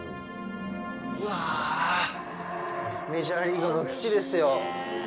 うわ、メジャーリーグの土ですよ。